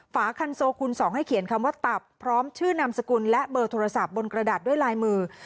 ฝาคันโซคูณ๒ให้เขียนคำว่าตับพร้อมชื่อนามสกุลและเบอร์โทรศัพท์บนกระดาษด้วยลายมือ